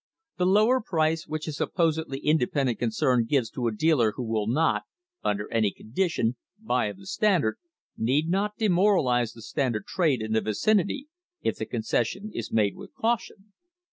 The lower price which a supposedly independent concern gives to a dealer who will not, under any condition, buy of the Standard, need not demoralise the Standard trade in the vicinity if the concession is made with caution.